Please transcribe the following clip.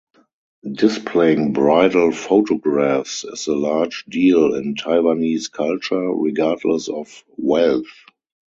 Displaying bridal photographs is a large deal in Taiwanese culture, regardless of wealth.